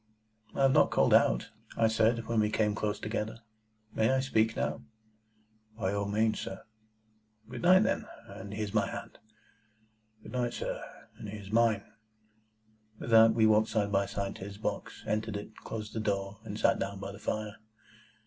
"I have not called out," I said, when we came close together; "may I speak now?" "By all means, sir." "Good night, then, and here's my hand." "Good night, sir, and here's mine." With that we walked side by side to his box, entered it, closed the door, and sat down by the fire.